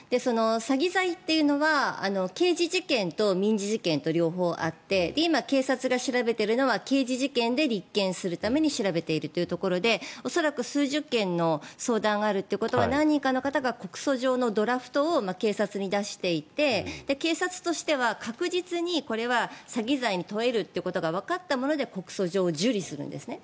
詐欺罪というのは刑事事件と民事事件と両方あって今、警察が調べてるのは刑事事件で立件するために調べているというとことで恐らく数十件の相談があるということは何人かの方が告訴状のドラフトを警察に出していて警察としては確実にこれは詐欺罪に問えるということがわかったもので告訴状を受理するんですね。